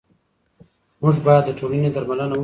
موږ باید د ټولنې درملنه وکړو.